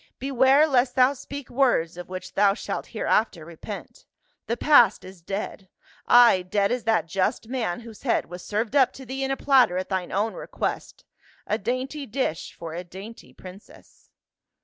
" Beware lest thou speak words of which thou shalt hereafter repent. The past is dead — Ay, dead as that just man whose head was served up to thee in a platter at thine own request, a dainty dish for a dainty princess."